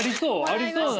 ありそうな。